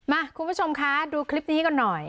คุณผู้ชมคะดูคลิปนี้กันหน่อย